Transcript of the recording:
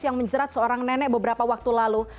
yang menjerat seorang nenek beberapa waktu lalu